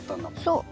そう。